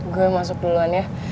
gue masuk duluan ya